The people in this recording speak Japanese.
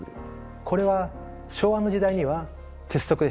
これは昭和の時代には鉄則でした。